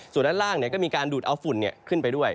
ส่วนด้านล่างก็มีการดูดเอาฝุ่นขึ้นไปด้วย